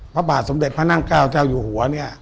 พระบาทสมเด็จพระนั่งเก้าเจ้าอยู่หัวเนี่ย